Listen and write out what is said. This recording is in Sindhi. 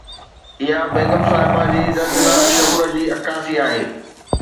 اها بيگم صاحبه جي دردناڪ شعور جي عڪاسي آهي